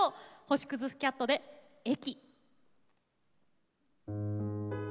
星屑スキャットで「駅」。